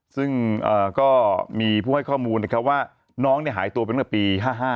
ซึ่งก็มีผู้ให้ข้อมูลนะครับว่าน้องหายตัวไปเมื่อปี๕๕